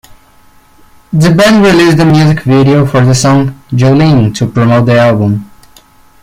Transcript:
The band released a music video for the song "Jolene" to promote the album.